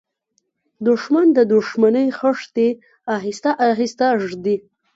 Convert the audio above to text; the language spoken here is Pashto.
دښمن د دښمنۍ خښتې آهسته آهسته ږدي